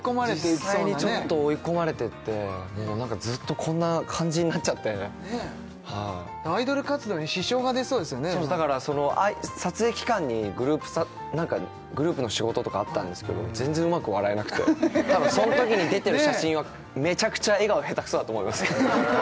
実際にちょっと追い込まれてってもうなんかずっとこんな感じになっちゃってアイドル活動に支障が出そうですよねだからその撮影期間にグループの仕事とかあったんですけど全然うまく笑えなくて多分そんときに出てる写真はめちゃくちゃ笑顔下手くそだと思います